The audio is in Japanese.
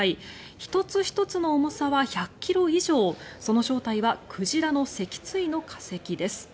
１つ１つの重さは１００ｋｇ以上その正体は鯨の脊椎の化石です。